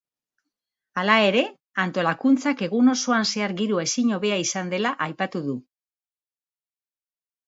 Hala ere antolakuntzak egun osoan zehar giroa ezin hobea izan zela aipatu du.